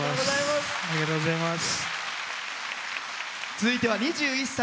続いては２１歳。